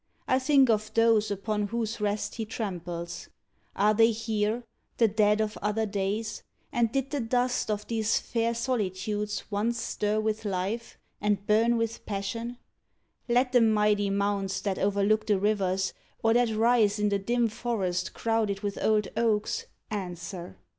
I think of those Upon whose rest he tramples. Are they here The dead of other days? and did the dust Of these fair solitudes once stir with life And burn with passion? Let the mighty mounds That overlook the rivers, or that rise In the dim forest crowded with old oaks, Answer.